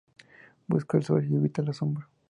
Busca el sol y evita la sombra.